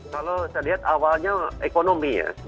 kalau saya lihat awalnya ekonomi ya